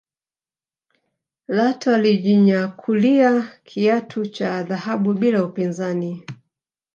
Lato alijinyakulia kiatu cha dhahabu bila upinzani